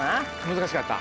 難しかった？